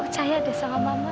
percaya deh sama mama